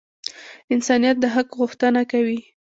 انسانیت د حق غوښتنه کوي.